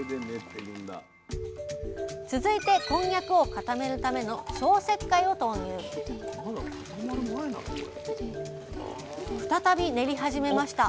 続いてこんにゃくを固めるための消石灰を投入再び練り始めました。